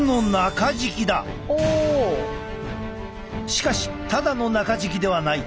しかしただの中敷きではない。